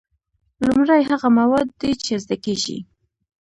لومړی هغه مواد دي چې زده کیږي.